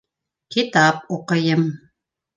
— Китап уҡыйым.